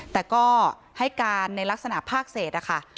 แต่ก็ให้การในลักษณะภาคเศษนะคะ